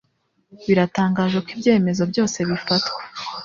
biratangaje ko ibyemezo byose bifatwa